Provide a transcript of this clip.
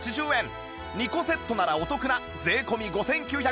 ２個セットならお得な税込５９８０円